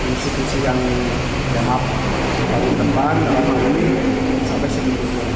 institusi yang berhap teman dalam hal ini sampai segini